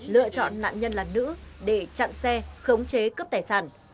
lựa chọn nạn nhân là nữ để chặn xe khống chế cướp tài sản